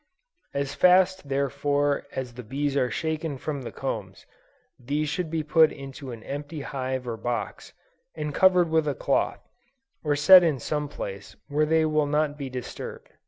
As fast therefore as the bees are shaken from the combs, these should be put into an empty hive or box, and covered with a cloth, or set in some place where they will not be disturbed.